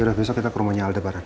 udah besok kita ke rumahnya aldebaran